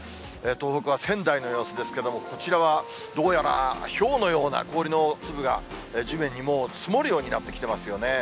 東北は仙台の様子ですけども、こちらはどうやら、ひょうのような氷の粒が地面にもう積もるようになってきてますよね。